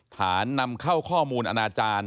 นำเข้าข้อมูลอนาจารย์